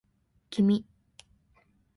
君